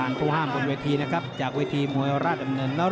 รวมจิตนะ